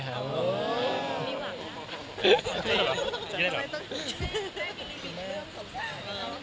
โอ้โหมีหวังนะครับ